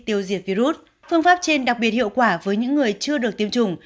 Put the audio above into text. tiêu diệt virus phương pháp trên đặc biệt hiệu quả với những người chưa được tiêm chủng